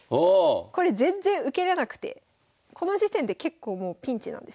これ全然受けれなくてこの時点で結構もうピンチなんです。